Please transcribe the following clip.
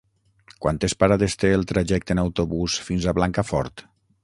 Quantes parades té el trajecte en autobús fins a Blancafort?